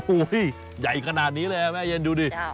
โอ้โหใหญ่ขนาดนี้เลยแม่เย็นดูดิ